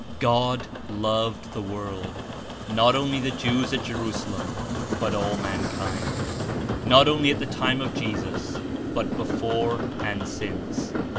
"God loved the world" — not only the Jews at Jerusalem, but all mankind; not only at the time of Jesus but before and since.